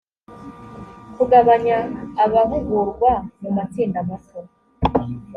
kugabanya abahugurwa mu matsinda mato